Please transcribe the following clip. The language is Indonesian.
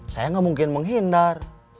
saya gak mungkin menghindar